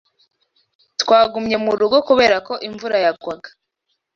Twagumye mu rugo kubera ko imvura yagwaga